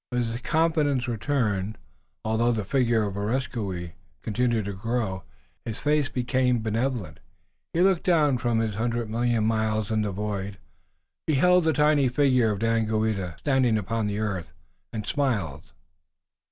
But his confidence returned. Although the figure of Areskoui continued to grow, his face became benevolent. He looked down from his hundred million miles in the void, beheld the tiny figure of Daganoweda standing upon the earth, and smiled.